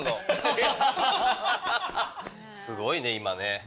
すごいね今ね。